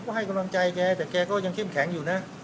ก็ให้กำลังใจแกแต่แกก็ยังเข้มแข็งอยู่นะ